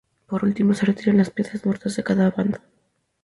Por último, se retiran las piedras muertas de cada bando.